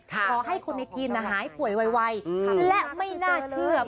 ขอให้คนในทีมหายป่วยไวและไม่น่าเชื่อ